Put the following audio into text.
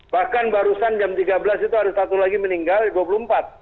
bahkan barusan jam tiga belas itu ada satu lagi meninggal dua puluh empat